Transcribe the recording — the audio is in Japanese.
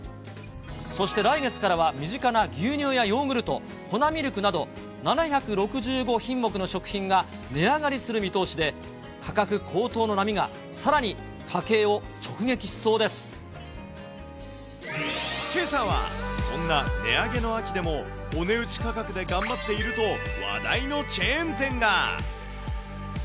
そして来月からは、身近な牛乳やヨーグルト、粉ミルクなど、７６５品目の食品が値上がりする見通しで、価格高騰の波が、けさは、そんな値上げの秋でもお値打ち価格で頑張っていると話題のチェーン店が。